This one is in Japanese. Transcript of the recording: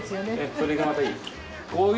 それがまたいい。